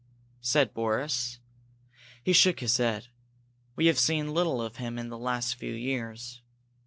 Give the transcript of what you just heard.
said Boris. He shook his head. "We have seen little of him in the last few years.